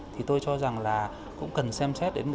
thì tôi cho rằng là cũng cần xem xét đến